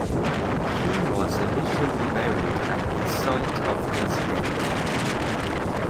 He was initially buried at the site of his death.